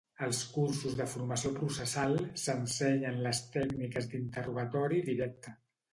Als cursos de formació processal, s'ensenyen les tècniques d'interrogatori directe.